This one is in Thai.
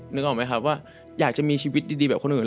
นึกออกไหมครับว่าอยากจะมีชีวิตดีแบบคนอื่น